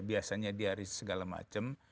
biasanya di hari segala macam